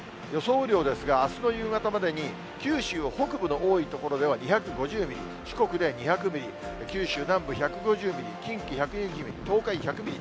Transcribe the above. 雨量ですが、あすの夕方までに、九州北部の多い所では２５０ミリ、四国で２００ミリ、九州南部１５０ミリ、近畿１２０ミリ、東海１００ミリ。